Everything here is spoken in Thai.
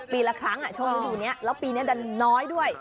ปีละครั้งช่วงนี้มืดจุแล้วปีนี่น้อยด้วย